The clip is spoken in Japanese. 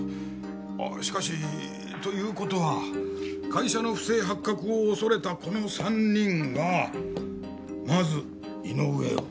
しかしという事は会社の不正発覚を恐れたこの３人がまず井上を。